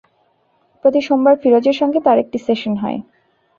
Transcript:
প্রতি সোমবার ফিরোজের সঙ্গে তাঁর একটি সেশন হয়।